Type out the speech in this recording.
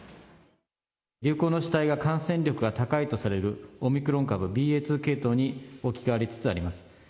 流行の主体が感染力が高いとされるオミクロン株ＢＡ．２系統に置き換わりつつあります。